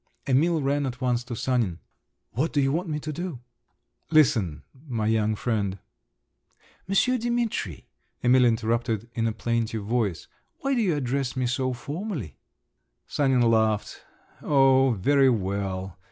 Emil ran at once to Sanin. "What do you want me to do?" "Listen, my young friend…" "Monsieur Dimitri," Emil interrupted in a plaintive voice, "why do you address me so formally?" Sanin laughed. "Oh, very well.